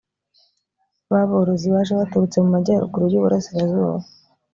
b aborozi baje baturutse mu majyaruguru y uburasirazuba